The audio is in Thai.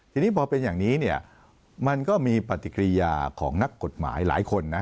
ทีนี้พอเป็นอย่างนี้เนี่ยมันก็มีปฏิกิริยาของนักกฎหมายหลายคนนะ